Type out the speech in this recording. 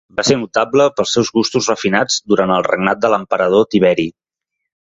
Va ser notable pels seus gustos refinats durant el regnat de l'emperador Tiberi.